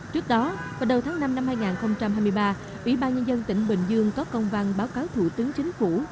trước đó vào đầu tháng năm năm hai nghìn hai mươi ba ủy ban nhân dân tỉnh bình dương có công văn báo cáo thủ tướng chính phủ